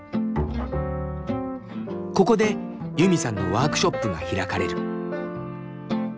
ここでユミさんのワークショップが開かれる。